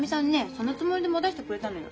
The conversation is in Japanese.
そのつもりで持たせてくれたのよ。